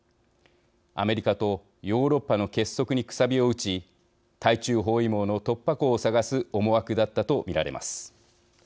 アメリカとヨーロッパの結束にくさびを打ち対中包囲網の突破口を探す思惑だったと見られます。